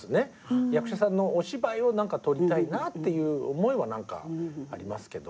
役者さんのお芝居を撮りたいなっていう思いはありますけど。